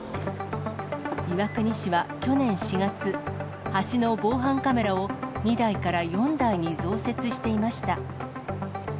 岩国市は去年４月、橋の防犯カメラを２台から４台に増設していました。